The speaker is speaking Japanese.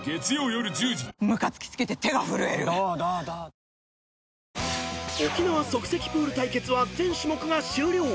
三菱電機［沖縄即席プール対決は全種目が終了］